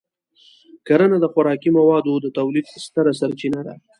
کرنه د خوراکي موادو د تولید ستره سرچینه ده.